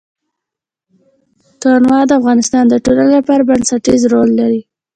تنوع د افغانستان د ټولنې لپاره بنسټيز رول لري.